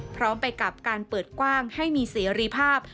พร้อมไปกับการเปิดกว้างให้มีเสรีภาพ